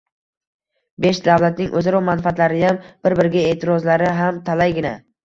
Besh davlatning oʻzaro manfaatlariyam, bir-biriga eʼtirozlari ham talaygina.